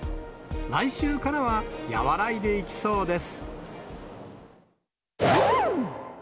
来週からは和らいでいきそうです。